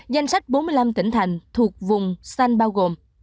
danh sách bốn mươi năm tỉnh thành thuộc vùng xanh bao gồm